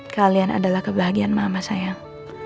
kalian adalah kebahagiaan mama sayang